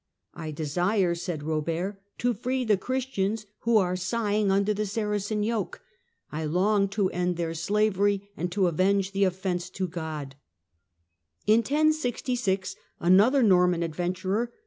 " I desire," said Kobert, " to free the Christians who are sighing under the Saracen yoke. I long to end their slavery, and to avenge the offence to God." In 1066 another Norman adventurer.